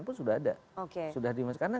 pun sudah ada oke sudah karena